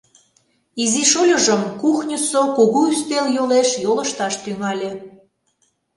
Изи шольыжым кухньысо кугу ӱстел йолеш йолышташ тӱҥале.